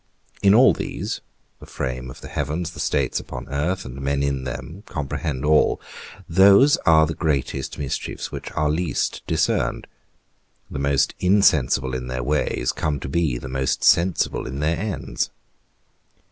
In all these (the frame of the heavens, the states upon earth, and men in them, comprehend all), those are the greatest mischiefs which are least discerned; the most insensible in their ways come to be the most sensible in their ends.